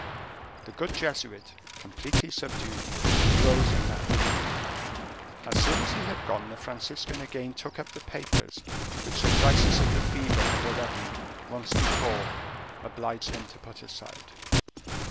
The good Jesuit, completely subdued, rose and left the room. As soon as he had gone, the Franciscan again took up the papers which a crisis of the fever had already, once before, obliged him to put aside.